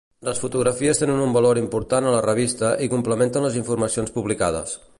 Les fotografies tenen un valor important a la revista i complementen les informacions publicades.